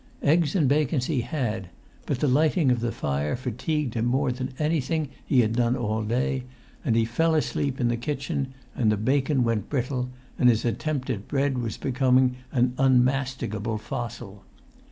Eggs and bacon he had, but the lighting of the fire fatigued him more than anything he had done all day, and he fell asleep in the kitchen, and the bacon went brittle, and his attempt at bread was become an unmasticable fossil.